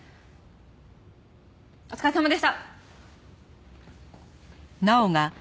お疲れさまでした！